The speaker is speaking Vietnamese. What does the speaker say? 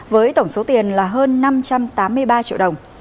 với tổng số tiền là hơn năm trăm tám mươi ba triệu đồng